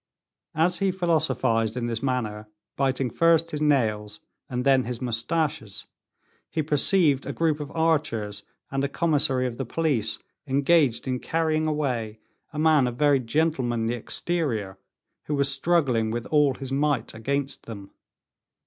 As he philosophized in this manner, biting first his nails, and then his mustaches, he perceived a group of archers and a commissary of the police engaged in carrying away a man of very gentlemanly exterior, who was struggling with all his might against them.